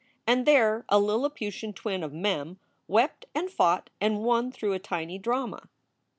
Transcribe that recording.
And there a Lilliputian twin of Mem wept and fought and won through a tiny drama.